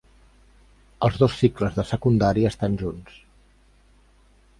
Els dos cicles de secundària estan junts.